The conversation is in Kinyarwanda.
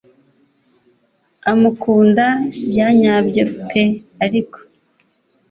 amukunda byanyabyo pe ariko